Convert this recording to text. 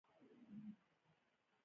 د دريو کالو دپاره